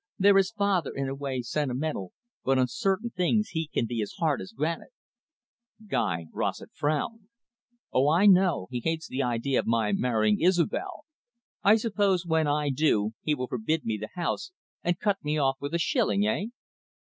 There is father, in a way sentimental, but on certain things he can be as hard as granite." Guy Rossett frowned. "Oh, I know. He hates the idea of my marrying Isobel. I suppose when I do he will forbid me the house, and cut me off with a shilling, eh?"